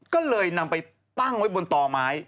ก็เลยนำไปตั้งไว้บนต่อไม้